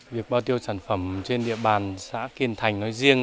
việc bao tiêu sản phẩm trên địa bàn xã kiên thành nói riêng